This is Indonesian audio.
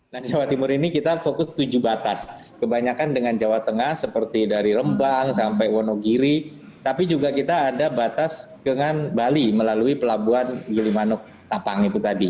nah jawa timur ini kita fokus tujuh batas kebanyakan dengan jawa tengah seperti dari rembang sampai wonogiri tapi juga kita ada batas dengan bali melalui pelabuhan gilimanuk tapang itu tadi